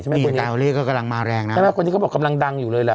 มีดาวเล่ก็กำลังมาแรงนะใช่ไหมคนที่เขาบอกกำลังดังอยู่เลยแหละ